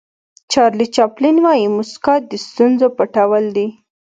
چارلي چاپلین وایي موسکا د ستونزو پټول دي.